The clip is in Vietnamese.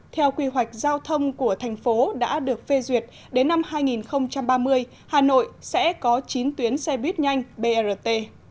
theo quy hoạch giao thông của thành phố đã được phê duyệt đến năm hai nghìn ba mươi hà nội sẽ có chín tuyến xe buýt nhanh brt